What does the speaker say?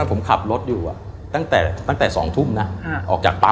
ผมขับรถอยู่ตั้งแต่๒ทุ่มนะออกจากปั๊ม